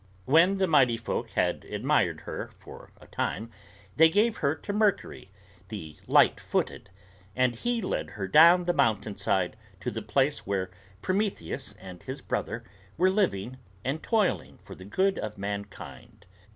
When the Mighty Folk had admired her for a time, they gave her to Mercury, the light footed; and he led her down the mountain side to the place where Prometheus and his brother were living and toiling for the good of mankind.